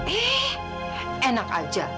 eh enak aja